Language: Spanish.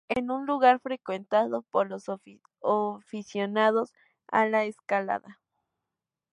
Es un lugar frecuentado por los aficionados a la escalada.